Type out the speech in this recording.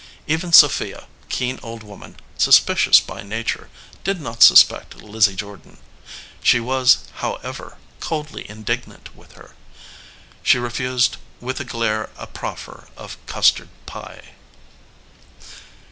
Even Sophia, keen old woman, suspicious by nature, did not sus pect Lizzie Jordan. She was, however, coldly in 236 THE SOLDIER MAN dignant with her. She refused with a glare a proffer of custard pie.